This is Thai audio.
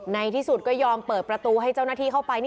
ในที่สุดก็ยอมเปิดประตูให้เจ้าหน้าที่เข้าไป